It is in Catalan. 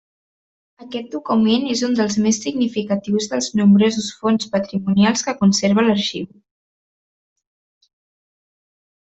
Aquest document és un dels més significatius dels nombrosos fons patrimonials que conserva l'arxiu.